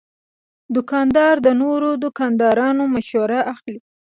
دوکاندار د نورو دوکاندارانو مشوره اخلي.